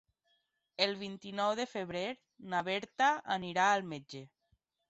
El vint-i-nou de febrer na Berta anirà al metge.